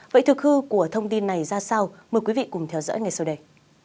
vậy thực hư của thông tin này ra sao mời quý vị cùng theo dõi ngay sau đây